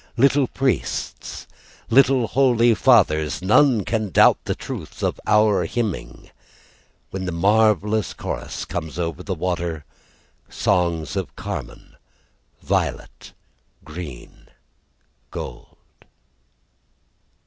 Little priests, little holy fathers, None can doubt the truth of hour hymning. When the marvellous chorus comes over the water, Songs of carmine, violet, green, gold.